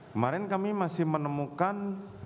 kemarin kami masih menemukan